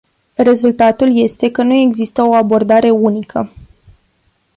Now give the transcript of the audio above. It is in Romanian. Rezultatul este că nu există o abordare unică.